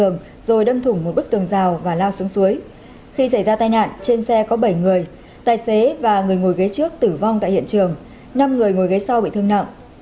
nhưng xảy ra tai nạn trên xe có bảy người tài xế và người ngồi ghế trước tử vong tại hiện trường năm người ngồi ghế sau bị thương nặng